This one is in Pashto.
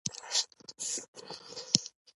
ښایست د خور له دعاوو نه راولاړیږي